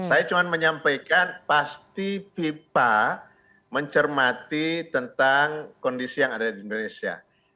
saya cuma menyampaikan pasti fifa mencermati tentang kondisi yang ada di indonesia